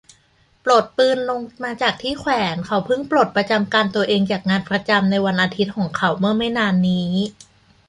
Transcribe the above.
ปลดปืนลงมาจากที่แขวน เขาเพิ่งปลดประจำการตัวเองจากงานประจำในวันอาทิตย์ของเขาเมื่อไม่นานนี้